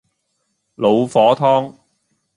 老火湯